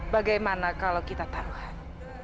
bagaimana kalau kita taruhan